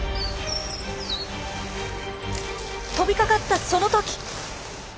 飛びかかったその時。